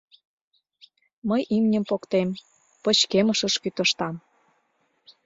Мый имньым поктем, пычкемышыш кӱтыштам.